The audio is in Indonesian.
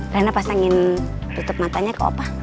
rena pasangin tutup matanya ke opa